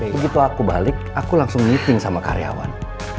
begitu aku balik aku langsung meeting sama karyawan